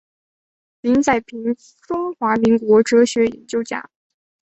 林宰平中华民国哲学研究家。